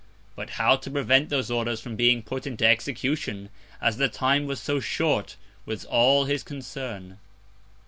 But how to prevent those Orders from being put into Execution, as the Time was so short, was all his Concern.